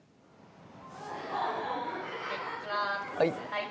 はい。